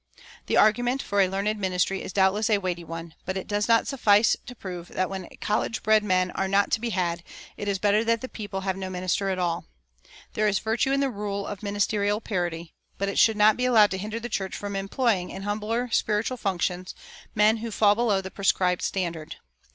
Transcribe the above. The argument for a learned ministry is doubtless a weighty one; but it does not suffice to prove that when college bred men are not to be had it is better that the people have no minister at all. There is virtue in the rule of ministerial parity; but it should not be allowed to hinder the church from employing in humbler spiritual functions men who fall below the prescribed standard.